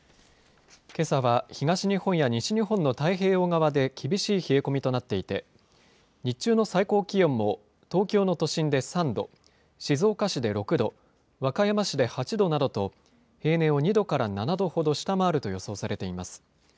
けさは東日本や西日本の太平洋側で厳しい冷え込みとなっていて、日中の最高気温も東京の都心で３度、静岡市で６度、和歌山市で８度などと、平年を２度から７度ほど下回ると予想されています。